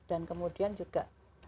dan kemudian juga